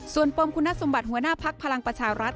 ส่วนปมคุณสมบัติหัวหน้าพักพลังประชารัฐ